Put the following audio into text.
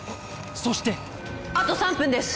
そしてあと３分です。